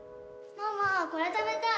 ママこれ食べたい！